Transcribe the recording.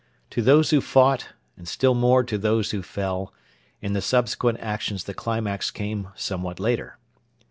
To those who fought, and still more to those who fell, in the subsequent actions the climax came somewhat later.